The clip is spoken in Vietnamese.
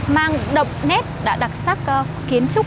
mang độc nét đặc sắc kiến trúc